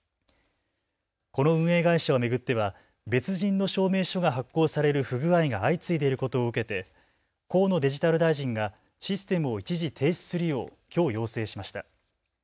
この運営会社を巡っては別人の証明書が発行される不具合が相次いでいることを受けて河野デジタル大臣がシステムを一時停止するようきょう要請しました。